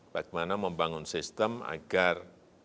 bagaimana membangun sistem agar